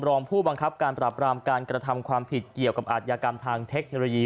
รองผู้บังคับการปราบรามการกระทำความผิดเกี่ยวกับอาทยากรรมทางเทคโนโลยี